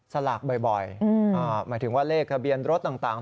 สลากบ่อยหมายถึงว่าเลขทะเบียนรถต่าง